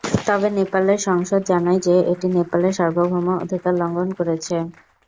তবে নেপালের সংসদ জানায় যে এটি নেপালের সার্বভৌম অধিকার লঙ্ঘন করেছে।